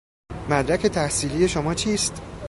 مدرک تحصیلی شما چیست؟